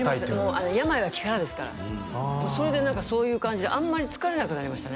もう病は気からですからそれでそういう感じであんまり疲れなくなりましたね